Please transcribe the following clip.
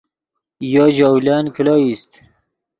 یو ژولن کلو ایست